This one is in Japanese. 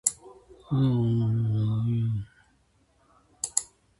傘を持って出かけよう。